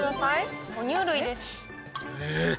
哺乳類です。